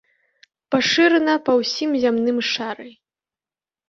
Пашырана па ўсім зямным шары.